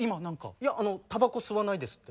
いやたばこ吸わないですって。